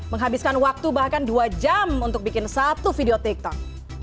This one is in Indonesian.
menghabiskan waktu bahkan dua jam untuk bikin satu video tiktok